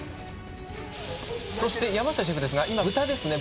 そして山下シェフですが今豚ですね